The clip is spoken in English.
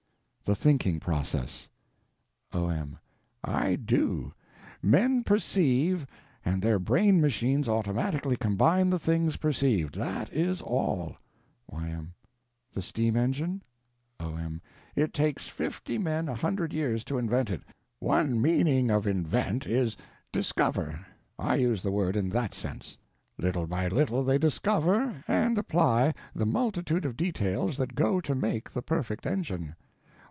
The Thinking Process O.M. I do. Men perceive, and their brain machines automatically combine the things perceived. That is all. Y.M. The steam engine? O.M. It takes fifty men a hundred years to invent it. One meaning of invent is discover. I use the word in that sense. Little by little they discover and apply the multitude of details that go to make the perfect engine.